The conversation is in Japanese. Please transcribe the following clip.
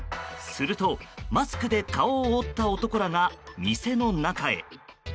すると、マスクで顔を覆った男らが店の中へ。